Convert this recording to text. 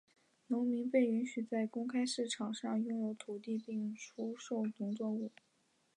农民被允许在公开市场上拥有土地并出售农作物。